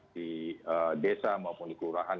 di desa maupun di kelurahan